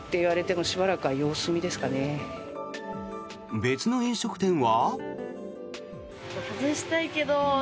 別の飲食店は。